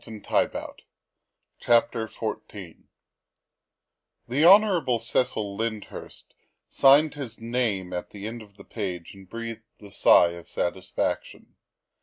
THE SECRETARY OF STATE 137 XIV THE Hon. Cecil Lyndhurst signed his name at the end of the page and breathed a sigh of satisfaction.